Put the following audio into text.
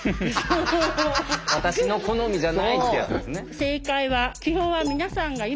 「私の好みじゃない」ってやつですね。